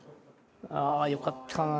ああよかったな。